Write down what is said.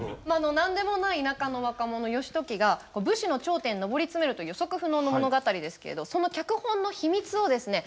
何でもない田舎の若者義時が武士の頂点に上り詰めるという予測不能の物語ですけれどその脚本の秘密をですね